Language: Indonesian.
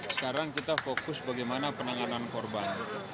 sekarang kita fokus bagaimana penanganan korban